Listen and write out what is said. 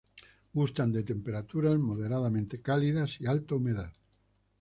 Gustan de temperaturas moderadamente cálidas y alta humedad.